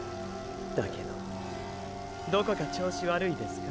だけどどこか調子悪いですか？